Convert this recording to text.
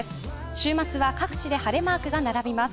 週末は各地で晴れマークが並びます。